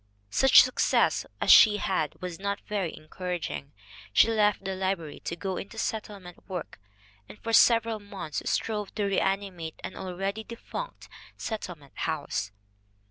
Such success as she had was not very encouraging. She left the library to go into settlement work, and for several months strove "to reanimate an already defunct settle ment house."